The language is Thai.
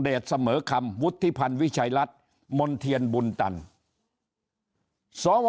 เสมอคำวุฒิพันธ์วิชัยรัฐมนเทียนบุญตันสว